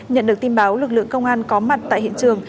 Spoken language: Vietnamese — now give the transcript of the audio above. nhận được tin báo lực lượng công an có mặt tại hiện trường